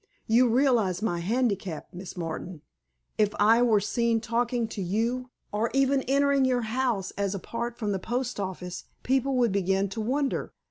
You realize my handicap, Miss Martin? If I were seen talking to you, or even entering your house as apart from the post office, people would begin to wonder.